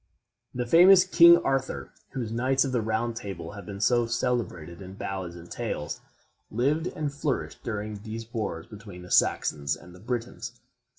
The famous King Arthur, whose Knights of the Round Table have been so celebrated in ballads and tales, lived and flourished during these wars between the Saxons and the Britons.